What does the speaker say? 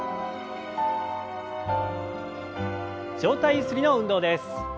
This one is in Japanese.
上体ゆすりの運動です。